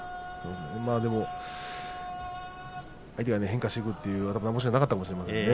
相手が変化してくるという頭がなかったかもしれませんね。